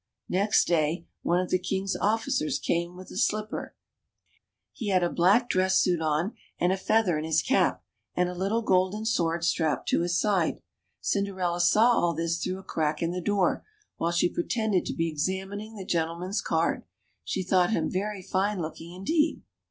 Next day, one of the king's officers came with the slipper ; he had a black dress .suit on, and a feather in his cap, and a little golden sword strapped to his side. Cinderella saw all this through a crack in CINDERELLA UP TO DATE. 29 the door, while she pretended to be examining the gen tleman's card. She thought him very fine looking indeed.